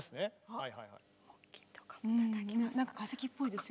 はい！